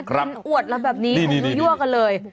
กินอวดแล้วแบบนี้คุณดูย่วกันเลย